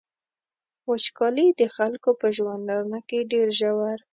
وچکالي د خلکو په ژوندانه کي ډیر ژور.